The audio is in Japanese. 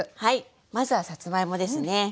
まずはさつまいもですね。